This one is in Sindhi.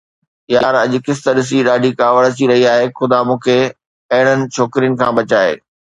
يار اڄ قسط ڏسي ڏاڍي ڪاوڙ اچي رهي آهي، خدا مون کي اهڙن ڇوڪرين کان بچائي